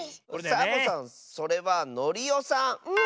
サボさんそれはノリオさん！